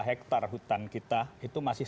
hektare hutan kita itu masih